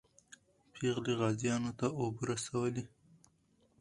پېغلې غازیانو ته اوبه رسولې.